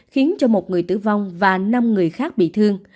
khiến cho một người tử vong và năm người khác bị thương